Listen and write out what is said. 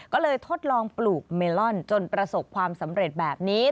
ก็เลยทดลองปลูกเมลอนจนประสบความสำเร็จแบบนี้